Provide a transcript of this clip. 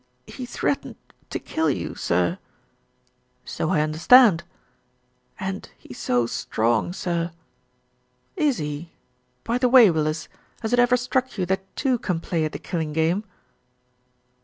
"He he threatened to kill you, sir." "So I understand." "And he's so strong, sir." "Is he? By the way, Willis, has it ever struck you that two can play at the killing game?"